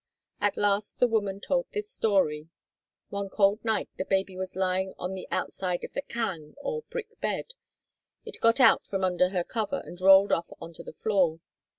At last the woman told this story. One cold night the baby was lying on the outside of the "kang" or brick bed, it got out from under her cover and rolled off on to the floor.